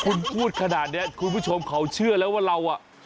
คุณพูดขนาดนี้คุณผู้ชมเขาเชื่อแล้วว่าเราอ่ะ